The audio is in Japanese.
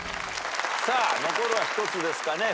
さあ残るは一つですかね。